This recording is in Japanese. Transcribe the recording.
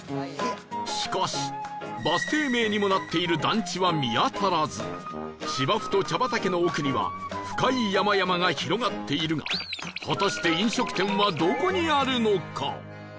しかしバス停名にもなっている団地は見当たらず芝生と茶畑の奥には深い山々が広がっているが果たして飲食店はどこにあるのか？